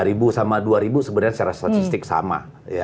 lima ribu sama dua ribu sebenarnya secara statistik sama